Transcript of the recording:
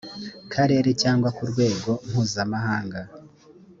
karere cyangwa ku rwego mpuzamahanga